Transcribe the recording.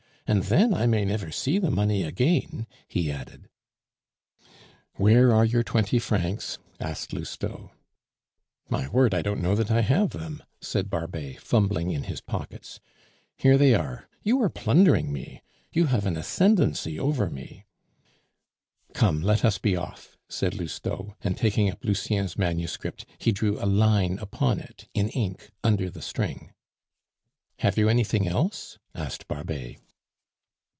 And then I may never see the money again," he added. "Where are your twenty francs?" asked Lousteau. "My word, I don't know that I have them," said Barbet, fumbling in his pockets. "Here they are. You are plundering me; you have an ascendency over me " "Come, let us be off," said Lousteau, and taking up Lucien's manuscript, he drew a line upon it in ink under the string. "Have you anything else?" asked Barbet.